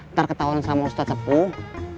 ntar ketahuan sama ustaz tepung